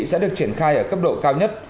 sẽ được triển khai ở cấp độ cao nhất